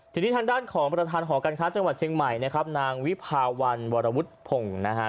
ทีนี้ทางด้านของประธานหอการค้าจังหวัดเชียงใหม่นะครับนางวิภาวันวรวุฒิพงศ์นะฮะ